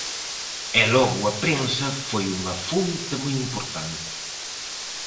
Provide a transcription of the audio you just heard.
E logo a prensa foi unha fonte moi importante.